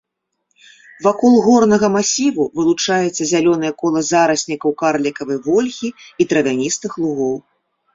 Вакол горнага масіву вылучаецца зялёнае кола зараснікаў карлікавай вольхі і травяністых лугоў.